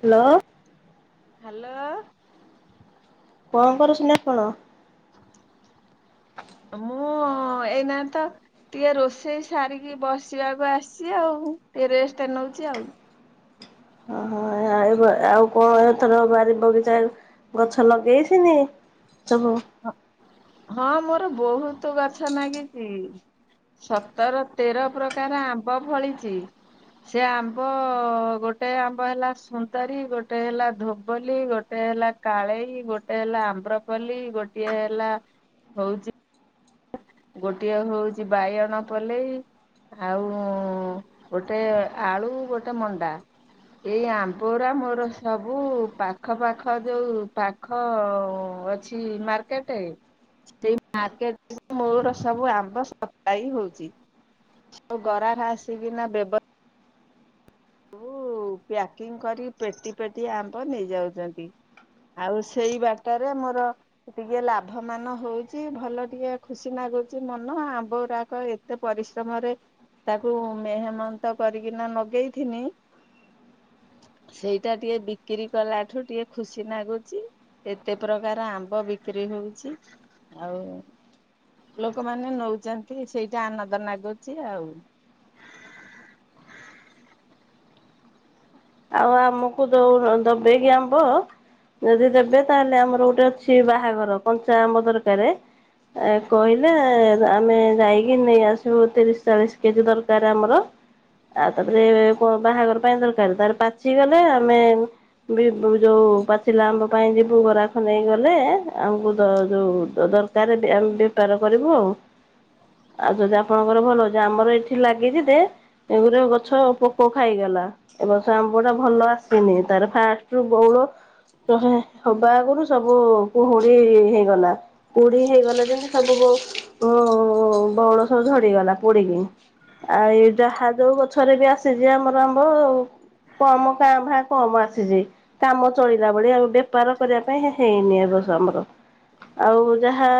Hello. Hello. କଣ କରୁଛନ୍ତି ଆପଣ? ମୁଁ ହଁ ଏଇନା ତ ଟିକେ ରୋଷେଇ ସାରିକି ବସିବାକୁ ଆସିଛି ଆଉ ଏ ରେଷ୍ଟ ନଉଚି ଆଉ। ଓହୋ ଏ ଆଉ କଣ ଏଥର ବାରି ବଗିଚା ଗଛ ଲଗେଇଥିନି। ହ ହଁ ମୋ ର ବହୁତ ଗଛ ଲାଗିଛି। ସତର ତେର ପ୍ରକାର ଆମ୍ବ ଫଳିଚି। ସେ ଆମ୍ବ ଗୋଟେ ଆମ୍ବ ହେଲା ସୁନ୍ଦରୀ ଗୋଟେ ହେଲା ଧୋବଲି ଗୋଟେ ହେଲା କାଳେଇ ଗୋଟେ ହେଲା ଆମ୍ବ୍ରପଲ୍ଲି ଗୋଟେ ଇଏ ହେଲା ହଉଚି। ଗୋଟିଏ ହଉଛି ବାଇଗଣ ପଲେଇ ଆଉ ଗୋଟେ ଆଳୁ ଗୋଟେ ମଣ୍ଡା ଏଇ ଆମ୍ବୁରା ମୋର ସବୁ ପାଖ ପାାଖ ଯୋଉ ପାଖ ଅଛି ମାର୍କେଟ ସେଇ ମାର୍କେଟ। ମୂଳର ସବୁ ଆମ୍ବ ସଫା ଇ ହଉଚି ସବୁ ଗରାଖ ଆସିକିନା ବ୍ୟବ କୁ ପ୍ୟାକିଂ କରି ପେଟି ପେଟି ଆମ୍ବ ନେଇଯାଉଚନ୍ତି, ଆଉ ସେଇ ବାଟରେ ମୋର ଟିକେ ଲାଭ ମାନ ହଉଛି ଭଲ ଟିକେ ଖୁସି ନାଗୁଚି ମନ। ଆମ୍ବ ଗୁରାକ ଏତେ ପରିଶ୍ରମରେ ତାକୁ ମେହେନତ୍ କରିକିନା ନଗେଇଥିନି। ସେଇଟା ଟିକେ ବିକ୍ରି କଲା ଠୁ ଟିକେ ଖୁସି ନାଗୁଚି, ଏତେ ପ୍ରକାର ଆମ୍ବ ବିକ୍ରି ହଉଛି ଆଉ ଲୋକମାନେ ନଉଛନ୍ତି, ସେଇଟା ଆନନ୍ଦ ନାଗୁଚି ଆଉ। ଆଉ ଆମକୁ ଦଉନ ଦେବେ କି ଆମ୍ବ ଯଦି ଦେବେ ତାହେଲେ ଆମର ଗୋଟେ ଅଛି ବାହାଘର। କଞ୍ଚା ଆମ୍ବ ଦରକାର କହିଲେ ଆମେ ଯାଇକି ନେଇ ଆସିବୁ। ତିରିଶ ଚାଳିଶ କେଜି ଦରକାର ଆମର ଆଉ ତାପରେ ବାହାଘର ପାଇଁ ଦରକାର ତାର ପାଚି ଗଲେ ଆମେ ବି ଯୋଉ ପାଚିଲା ଆମ୍ବ ପାଇଁ ଯିବୁ, ଗରାଖ ନେଇ ଗଲେ ଆମକୁ ଯ ଯୋଉ ଦରକାରେ ବେପାର କରିବୁ ଆଉ ଆଉ ଯଦି ଆପଣଙ୍କର ଭଲଛି ଆମର ଏଠି ଲାଗିଛି। ଯେ ଗୁରେ ଗଛ ପୋକ ଖାଇଗଲା ଏବଂ ତ ଆମ୍ବ ଟା ଭଲ ଆସିନି ତାର ଫାଷ୍ଟରୁ ବଉଳ ହ ହବା ଆଗରୁ ସବୁ କୁହୁଡି ହେଇଗଲା କୁହୁଡି ହେଇଗଲା। ଯେମିତି ସବୁ ବଉଳ ଉଁ ସବୁ ଝଡିଗଲା। ପୋଡିକି ଆଉ ଏଇ ଯାହା ଯୋଉ ଗଛରେ ବି ଆସିଛି ଆମର ଆମ୍ବ। କମ କାଁ ଭାଁ କମ ଆସିଚି। କାମ ଚଳିଲା ଭଳିଆ ଆଉ ବେପାର କରିବା ପାଇଁ ହେଇନି ଏ ବର୍ଷ ଆମର ଆଉ ଯାହା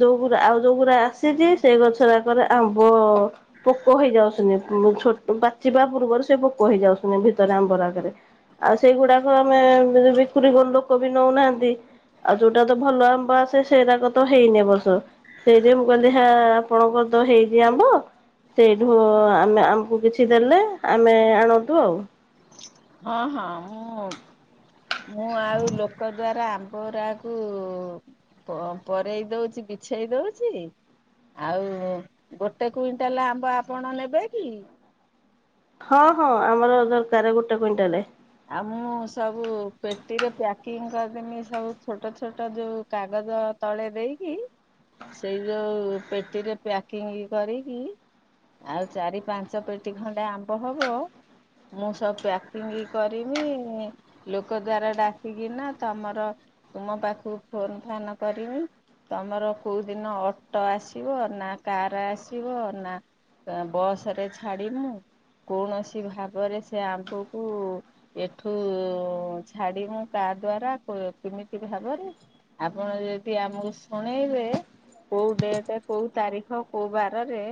ଯୋଉଗା ଆଉ ଯୋଉଗୁରା ଆସିଛି ସେ ଗଛଅରକାରେ ଆମ୍ବ ପୋକ ହେଇଯାଉଛନ୍ତି ଅ ଛୋଟ ପାଚିବା ପୂର୍ବରୁ ସେ ପୋକ୍ କ ହେଇ ଯାଉସୁନି ଭିତରେ ଆମ୍ବଉରାକରେ ଆଉ ସେଇଗୁଡାକ ଆମେ ବିକ୍ରିକଲେ ଲୋକ ବି ନଉନାହାନ୍ତି। ଆଉ ଯୋଉଟା ତ ଭଲ ଆ ମ୍ବ ଆସେ ସେଇରାକ ତ ହେଇନି ଏ ବର୍ଷ। ସେଇଜେ ମୁଁ କହି ତ ଆପଣଙ୍କ ତ ହେଇଛି ଆମ୍ବ ସେଇଠୁ ଆମେ ଆମକୁ କିଛି ଦେଲେ ଆମେ ଆଣନ୍ତୁ ଆଉ। ହଁ ହଁ ମୁଁ ମୁଁ ଆଉ ଲୋକ ଦ୍ଵାରା ଆମ୍ବ ଗୁୁରାକୁ ପ ପରେଇ ଦେଉଚି ବିଛେଇ ଦେଉଚି ଆଉ ଗୋଟେ କୁଇଣ୍ଟାଲ ଆମ୍ବ ଆପଣ ନେବେ କି? ହଁ ହଁ ଆମର ଦରକାର ଗୋଟେ କୁଇଣ୍ଟାଲ। ଆଉ ମୁଁ ସବୁ ପେଟିରେ ପ୍ୟାକିଂ କରିଦେମି ସବୁ ଛୋଟ ଛୋଟ ଯୋଉ କାଗଜ ତଳେ ଦେଇକି ସେଇ ଯେଉଁ ପେଟିରେ ପ୍ୟାକିଂ କରିକି ଆଉ ଚାରି ପାଞ୍ଚ ପେଟି ଖଣ୍ଡେ ଆମ୍ୱ ହବ ମୁଁ ସବୁ ପ୍ୟାକିଂ କରିମି ଲୋକ ଦ୍ଵାରା ଡାକିକିନା ତମର ତୁମ ପାଖକୁ ଫୋନ ଫାନ୍ କରିମି ତମର କୋଉ ଦିନ ଅଟୋ ଆସିବ ନା କାର ଆସିବ ନା ବସ ରେ ଛାଡ଼ିମୁ। କୌଣସି ଭାବରେ ସେ ଆମ୍ବକୁ ଏଠୁ ଛାଡିମୁ କା ଦ୍ଵାରା କି-କିମିତି ଭାବରେ ଆପଣ ଯଦି ଆମକୁ ଶୁଣେଇବେ। କୋଉ ଡେଟ୍ କୋଉ ତାରିଖ କୋଉ ବାରରେ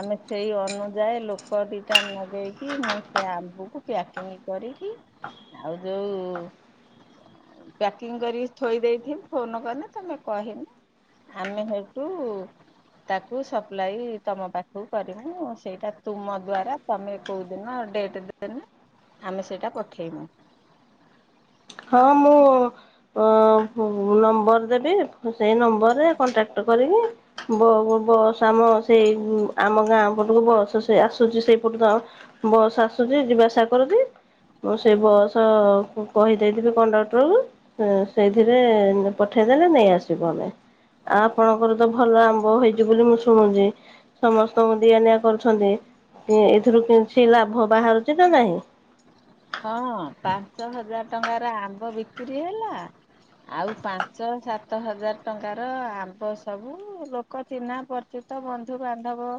ଆମେ ସେଇ ଅନୁଯାୟୀ ଲୋକ ଦିଟା ନଗେଇକି ମୁଁ ସେ ଆମ୍ବକୁ ପ୍ୟାକିଂ କରିକି ଆଉ ଯୋଉ ପ୍ୟାକିଂ କରିକି ଥୋଇ ଦେଇେଥିମି ଫୋନ କଲେ ତମେ କହିନେ ଆମେ ହେଠୁ ତାକୁ ସପ୍ଲାଇ ତମ ପାଖକୁ କରିମୁ। ସେଇଟା ତୁମ ଦ୍ଵାରା ତମେ କୋଉ ଦିନ ଡେଟ୍ ଦେନେ। ଆମେ ସେଇଟା ପଠେଇମୁ। ହଁ ମୁଁ ଅଁ ମୁ ନମ୍ବର ଦେବି। ସେଇ ନମ୍ବରରେ କଣ୍ଟାକ୍ଟ କରିକି ବବସ୍ ଆମ ସେଇ ଆମ ଗାଁ ପଟକୁ ବସ୍ ସେ ଆସୁଛି। ସେଇପଟ ବସ୍ ଆସୁଛି ଯିବା ଆସା କରୁଛି ମୁଁ ସେ ବସ୍ କହି ଦେଇଥିବେ କଣ୍ଡକ୍ଟରକୁ ସେଇଥିରେ ପଠେଇଦେଲେ ନେଇ ଆସିବୁ ଆମେ ଆଉ ଆପଣଙ୍କର ତ ଭଲ ଆମ୍ବ ହେଇଛି ବୋଲି ମୁଁ ଶୁଣୁଛି। ସମସ୍ତଙ୍କୁ ଦିଆ ନିିଆ କରୁଛନ୍ତି, ଏଥିରୁ କିଛି ଲାଭ ବାହାରୁଛି ନା ନାହିଁ। ହଁ ପାଞ୍ଚ ହଜାର ଟଙ୍କାର ଆମ୍ବ ବିକ୍ରୀି ହେଲା। ଆଉ ପାଞ୍ଚ ସାତ ହଜାର ଟଙ୍କାର ଆମ୍ବ ସବୁ ଲୋକ ଚିହ୍ନା ପରିଚିତ ବନ୍ଧୁବାନ୍ଧବ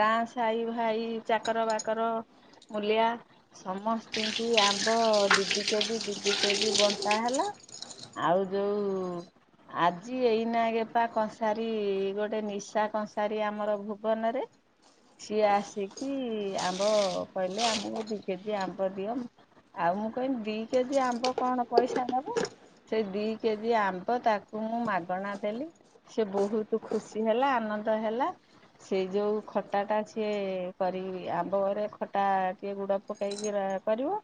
ଗାଁ ସାହି ଭାଇ ଚାକର ବାକର ମୂଲିଆ ସମସ୍ତି ସେ ଆମ୍ବ ଦି ଦି କେଜି ଦି ଦି କେଜି ବଣ୍ଟା ହେଲା। ଆଉ ଯୋଉ ଆଜି ଏଇନା କେପା କଂସାରୀ ଗୋଟେ ନିଶା କଂସାରୀ ଆମର ଭୁବନରେ ସିଏ ଆସିକି ଆମ୍ବ କହିଲେ। ଆମକୁ ଦି କେଜି ଆମ୍ବ ଦିଅ ଆଉ ମୁଁ କହିଲି ଦି କେଜି ଆମ୍ବ କଣ ପଇସା ଦବ। ସେ ଦି କେଜି ଆମ୍ବ ତାକୁ ମୁଁ ମାଗଣା ଦେଲି ସେ ବହୁତ ଖୁସି ହେଲା ଆନନ୍ଦ ହେଲା ସେ ଯୋଉ ଖଟା ଟା ସିଏ କରି ଆମ୍ବ ରେ ଖଟା ଟିକେ ଗୁଡ ପକେଇକି କରିବ।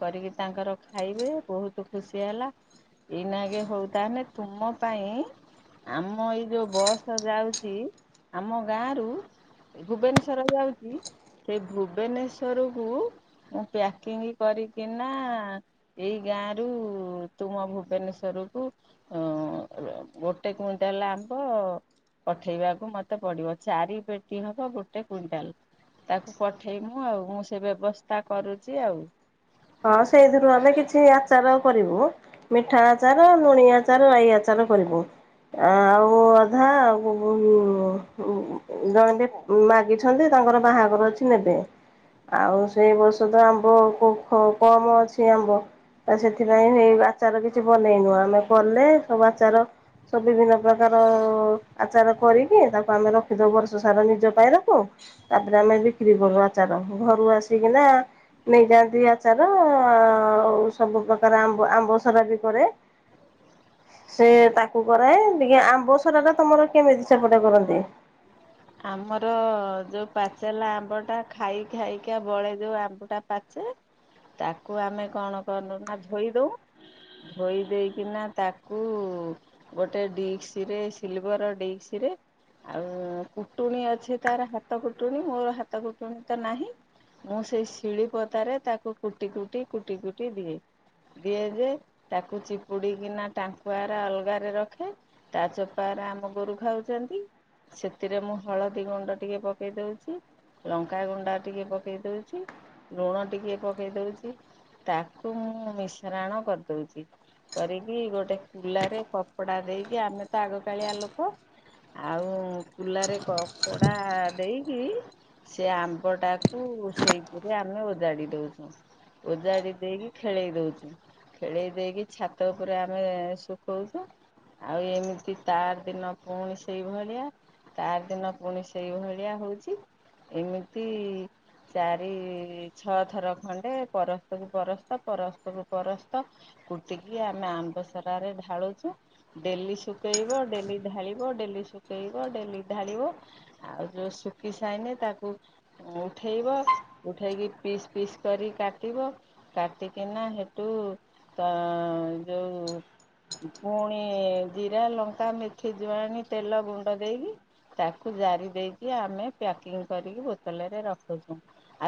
କରିକି ତାଙ୍କର ଖାଇବେ ବହୁତ ଖୁସି ହେଲା। ଏଇନାଗେ ହଉ ତାନେ ତୁମ ପାଇଁ ଆମ ଏଇ ଯୋଉ ବସ୍ ଯାଉଛି ଆମ ଗାଁ ରୁ ଭୁବନେଶ୍ଵର ଯାଉଛି। ସେ ଭୁବନେଶ୍ଵର କୁ ମୁଁ ପ୍ୟାକିଂ କରିକିନା ଏଇ ଗାଁରୁ ତୁମ ଭୁବନେଶ୍ୱରକୁୁ ଉ ଅ ଗୋଟେ କୁଇଣ୍ଟାଲ ଆମ୍ବ ପଠେଇବାକୁ ମୋତେ ପଡିବ। ଚାରି ପେଟି ହବ ଗୋଟେ କୁଇଣ୍ଟାଲ ତାକୁ ପଠେଇମୁ ଆଉ ମୁଁ ସେ ବ୍ୟବସ୍ଥା କରୁଛି ଆଉ। ହଁ ସେଇଥିରୁ ଆମେ କିଛି ଆଚାର କରିବୁ। ମିଠା ଆଚାର ଲୁଣି ଆଚାର ରାଇ ଆଚାର କରିବୁ। ଆଉ ଅଧା ଅ ଗୁ ଗ୍ ଜଣେ ବି ମାଗିଛନ୍ତି ତାଙ୍କର ବାହାଘର ଅଛି ନେବେ। ଆଉ ସେଇ ବଷତ ଆମ୍ବ କକମ ଅଛି ଆମ୍ବ ସେଥିପାଇଁ ସେଇ ଆଚାର କିଛି ବନେଇନୁ ଆମେ। କଲେ ସବୁ ଆଚାର ସବୁ ବିଭିନ୍ନ ପ୍ରକାର ଆଚାର କରିକି ତାକୁ ଆମେ ରଖିଦଉ ବର୍ଷ ସାରା ନିଜ ପାଇଁ ରଖୁ ତାପରେ ଆମେ ବିକ୍ରି କରୁ ଆଚାର ଘରୁ ଆସିକିନା ନେଇଯାଆନ୍ତି ଆ ଚାର ସବୁ ପ୍ରକାର ଆମ୍ବ ଆମ୍ବ ସରା ବି କରେ। ସେ ତାକୁ କରାଏ ଟିକେ ଆମ୍ବ ସରା ଟା ତମର କେମିତି ସେପଟେ କରନ୍ତି। ଆମର ଯେଉଁ ପାଚେଲା ଆମ୍ବଟା ଖାଇ ଖାଇକି ବଳେ। ଯେଉଁ ଆମ୍ବଟା ପାଚେ ତାକୁ ଆମେ କଣ କରୁନା ଧୋଇଦେଉଁ ଧୋଇ ଦେଇକିନା ତାକୁ ଗୋଟେ ଡିିସ୍କ ରେ ସିଲଭର ଡିିସ୍କରେ ଆଉ କୁଟୁଣିୀ ଅଛି, ତାର ହାତ କୁଟୁଣି ମୋର ହାତ କୁଟୁଣିୀ ତ ନାହିଁ, ମୁଁ ସେଇ ଶିଳିପତାରେ ତାକୁ କୁଟି କୁଟି କୁଟି କୁଟି ଦିଏ ଦିଏ ଯେ ତାକୁ ଚିପୁଡ଼ିିକିନା ଟାଙ୍କୁଆରା ଅଲଗାରେ ରଖେ। ତା ଚୋପାଉରା ଆମ ଗୋରୁ ଖାଉଛନ୍ତି ସେ ସେଥିରେ ମୁଁ ହଳଦୀ ଗୁଣ୍ଡ ଟିକିେ ପକେଇ ଦେଉଛି। ଲଙ୍କାଗୁଣ୍ଡ ଟିକିେ ପକେଇ ଦେଉଛି ଲୁଣ ଟିକେ ପକେଇ ଦେଉଛି। ତାକୁ ମୁଁ ମିଶାଣ କରିଦଉଛି କରିକି ଗୋଟେ କୁଲାରେ କପଡ଼ା ଦେଇକି ଆମେ ତ ଆଗକାଳିଆ ଲୋକ ଆଉ କୁଲାରେ କପଡ଼ା ଦେଇକି ସେ ଆମ୍ବଟାକୁ ସେଇଥିରେ ଆମେ ଓଜାଡ଼ି ଦଦଉଛୁ। ଓଜାଡ଼ି ଦେଇକି ଖେଳେଇ ଦେଉଛୁ। ଖେଳେଇ ଦେଇକି ଛାତ ଉପରେ ଆମେ ଶୁଖଉଛୁ ଆଉ ଏମିତି ତାର ଦିନ ପୁଣି ସେଇଭଳିଆ ତାର ଦିନ ପୁଣି ସେଇଭଳିଆ ହଉଛି। ଏମିତି ଚାରି ଛଅଥର ଖଣ୍ଡେ ପରସ୍ତକୁ ପରସ୍ତ ପରସ୍ତକୁ ପରସ୍ତ କୁଟିକି ଆମେ ଆମ୍ବସରାରେ ଢାଳୁଛୁ। ଡେଲି ଶୁଖେଇବ ଡେଲି ଢାଳିବ ଡେଲି ଶୁଖେଇ ବ ଡେଲି ଢାଳିବ ଆଉ ଯୋଉ ଶୁଖି ସାଇନେ ତାକୁ ଉଠେଇବ ଉଠେଇକି ପିସ୍ ପିସ୍ କରି କାଟିବ କାଟିକିନା ହେଠୁ ତ ପୁଣି ଜିରା ଲଙ୍କା ମେଥି ଜୁଆଣି ତେଲ ଗୁ ଡ ଦେଇକି ତାକୁ ଜାରି ଦେଇକି ଆମେ ପ୍ୟାକିଂ କରିକି ବୋତଲରେ ରଖୁୁଚୁ।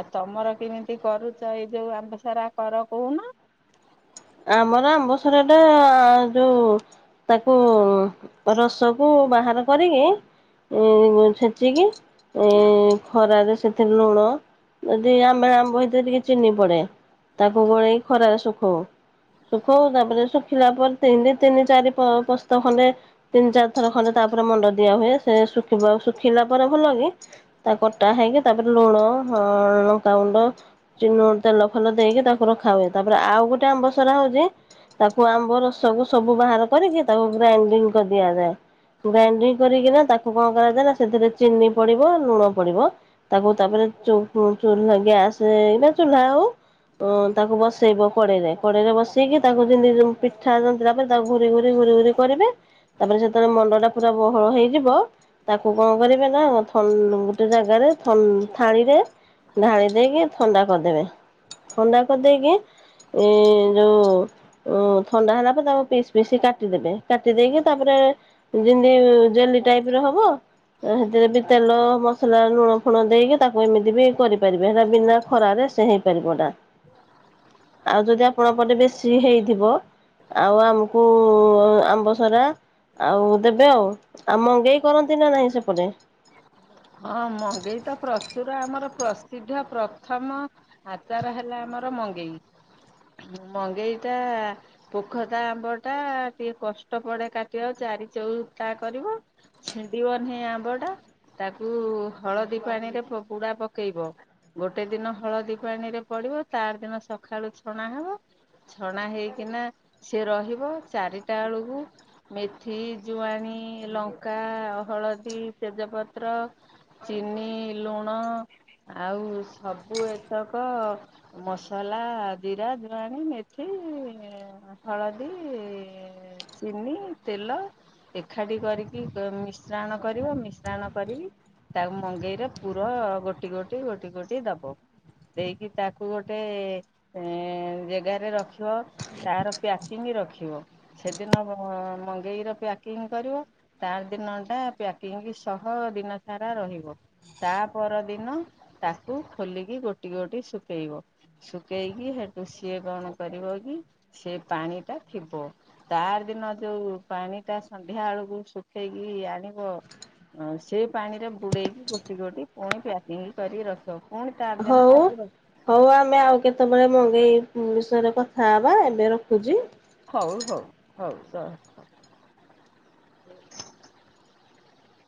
ଆଉ ତମର କେମିତି କରୁଚ ଏଇ ଯୋଉ ଆମ୍ ସାରା କର କୋହୁନ। ଆମର ଆମ୍ବ ସରଟା ଯୋଉ ତାକୁ ରସକୁ ବାହାର କରିକି। ଉ ଛେଚିକି ଉ ଖରାରେ ସେଥିରେ ଲୁଣ ଯଦି ଆମ୍ବିଳା ଆମ୍ବ ହେଇଥେ ଟିକେ ଚିନି ପଡେ। ତାକୁ ଗୋଳେଇ ଖରା ଶଖ୍ ହଉ। ଶୁଖାଉ ତାପରେ ଶୁଖିଲା ପରେ ତିନି ତିନି ଚାରି ପସ୍ତ ଖଣ୍ଡେ ତିନି ଚାରି ଥର ଖଣ୍ଡେ ତାପରେ ମଣ୍ଡ ଦିଆ ହୁଏ ସେ ଶୁଖିବ ଆଉ ଶୁଖିଲା ପରେ ଭଲ କି। ତା କଟା ହେଇକି ତାପରେ ଲୁଣ ହ ଲଙ୍କାଗୁଣ୍ଡ ଚୁନ ତେଲ ଫେଲ ଦେଇକି ତାକୁ ରଖା ହୁଏ। ତାପରେ ଆଉ ଗୋଟେ ଆମ୍ବ ହଉଛି ତାକୁ ଆମ୍ବ ରସକୁ ସବୁ ବାହାର କରିକି ତାକୁ ଗ୍ରାଇଣ୍ଡିଙ୍ଗ କରି ଦିଆଯାଏ। ଗ୍ରାଇଣ୍ଡିଙ୍ଗ କରିକିନା ତାକୁ କଣ କରାଯାଏ ନା ସେଥିରେ ଚିନି ପଡିବ ଲୁଣ ପଡିବ। ତାକୁ ତାପରେ ଗ୍ୟାସନା ଚୁ୍ ହଉ ତାକୁ ବସେଇବ କଡେଇରେ। କଡେଇରେ ବସେଇକି ତାକୁ ଯେମିତି ପିଠା ଯେମିତି ତାପରେ ତାକୁ ଘୁରି ଘୁରି ଘୁରି ଘୁରି କରିବେ। ତାପରେ ସେତେବେଳେ ମଣ୍ଡଟା ପୁରା ବହଳ ହେଇଯିବ ତାକୁ କଣ କରିବେ ନା ଥ ଗୋଟେ ଜାଗାରେ ଥ ଥାଳିରେ ଢାଳି ଦେଇକି ଥଣ୍ଡା କରିଦେବେ। ଥଣ୍ଡା କରିଦେଇକି ଏ ଯୋଉଁ ଥଣ୍ଡା ହେଲା ପରେ ତାକୁ ପିସ୍ ପିସ୍ କାଟିଦେବେ। କାଟି ଦେଇକି ତାପରେ ଯେମିତି ଜେଲି ଟାଇପ୍ ର ହବ ସେଥିରେ ବି ତେଲ ମସଲା ଲୁଣ ଫୁଣ ଦେଇକି ତାକୁ ଏମିତି ବି କରିପାରିବେ। ହେଟା ବିନା ଖରାରେ ସେ ହେଇପାରିବ ଏଟା। [inaudible] ଆଉ ଯଦି ଆପଣଙ୍କ ପଟେ ବେଶୀ ହେଇଥିବ ଆଉ ଆମକୁ ଆମ୍ବ ସରା ଆଉ ଦେବେ ଆଉ। ଆଉ ମଙ୍ଗେଇ କରନ୍ତି ନା ନାହିଁ ସେପଟେ। ହଁ ମଙ୍ଗେଇ ତ ପ୍ରଚୁର ଆମର ପ୍ରସିଦ୍ଧ ପ୍ରଥମ ଆଚାର ହେଲା ଆମର ମଙ୍ଗେଇ। ମଙ୍ଗେଇ ଟା ପୋଖତା ଆମ୍ବ ଟା ଟିକେ କଷ୍ଟ ପଡେ କାଟିବା ଚାରି ଚଉ ତା କରିବ ଛିଣ୍ଡିବ ନାହିଁ ଆମ୍ବ ଟା। ତାକୁ ହଳଦୀ ପାଣିରେ ପୁ ପୋଡା ପକେଇବ। ଗୋଟେ ଦିନ ହଳଦୀ ପାଣିରେ ପଡିବ। ତାର ଦିନ ସକାଳୁ ଛଣା ହେବ। ଛଣା ହେଇକିନା ସିଏ ରହିବ। ଚାରିଟା ବେଳକୁ ମେଥି ଜୁଆଣି ଲଙ୍କା ହଳଦୀ ତେଜପତ ପତ୍ର ଚିନି ଲୁଣ ଆଉ ସବୁ ଏତକ ମସଲା ଜିରା ଜୁଆଣି ମେଥି ହଳଦୀ ଚିନି ତେଲ ଏକାଠି କରିକି ମିଶ୍ରାଣ କରିବ। ମିଶ୍ରାଣ କରିକି ତାକୁ ମଙ୍ଗେଇରେ ପୁର ଗୋଟି ଗୋଟି ଗୋଟି ଗୋଟି ଦବ। ଦେଇକି ତାକୁ ଗୋଟେ ଜେଗାରେ ରଖିବ। ତାର ପ୍ୟାକିଙ୍ଗ୍ ରଖିବ। ସେଦିନ ମଗେଇର ପ୍ୟାକିଙ୍ଗ୍ କରିବ। ତାର ଦିନଟା ପ୍ୟାକିଙ୍ଗି ସ ଆ ଦିନ ସାରା ରହିବ ତା ପରଦିନ ତାକୁ ଖୋଲିକି ଗୋଟି ଗୋଟି ଶୁଖେଇବ। ଶୁଖେଇକି ହେଠୁ ସିଏ କଣ କରିବ କି ସେ ପାଣିଟା ଥିବ। ତାର ଦିନ ଯୋଉ ପାଣିଟା ସନ୍ଧ୍ୟା ବେଳକୁ ଶୁଖେଇକି ଆଣିବ। ଆଉ ସେ ପାଣିରେ ବୁଡେଇକି ଗୋଟି ଗୋଟି ପୁଣି ପ୍ୟାକିଙ୍ଗ୍ କରିକି ରଖିବ। ପୁଣି ତାର ଦିନ ହଉ ତାକୁ ହଉ ଆମେ ଆଉ କେତେବେଳେ ମ ଏଇ ବିଷୟରେ କଥା ହେବା ଏବେ ରଖୁଛି। ହଉ ହଉ ହଉ ରଖ।